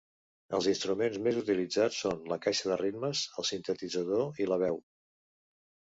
Els instruments més utilitzats són la Caixa de ritmes, el sintetitzador i la veu.